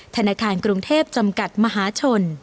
ธนาคารกรุงเทพจำกัดมหาชน